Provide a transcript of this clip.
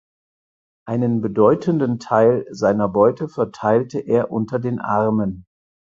Einen bedeutenden Teil seiner Beute verteilte er unter den Armen.